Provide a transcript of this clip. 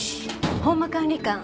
本間管理官。